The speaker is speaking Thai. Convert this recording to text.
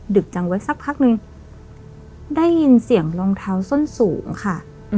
ึกจังไว้สักพักนึงได้ยินเสียงรองเท้าส้นสูงค่ะ